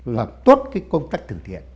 là tốt cái công tác từ thiện